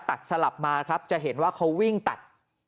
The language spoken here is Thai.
สลับมาครับจะเห็นว่าเขาวิ่งตัด